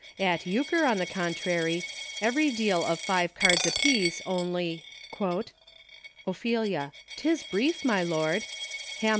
At Euchre, on the con trary, every deal of five cards a piece only —" Oph. 'Tis brief, my Lord ; Ham.